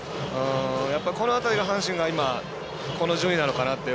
この辺りが、阪神がこの順位なのかなと。